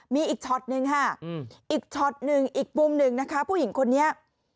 มีอีกช็อตหนึ่งค่ะอีกช็อตหนึ่งอีกมุมหนึ่งนะคะผู้หญิงคนนี้